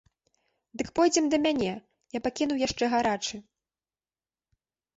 Дык пойдзем да мяне, я пакінуў яшчэ гарачы.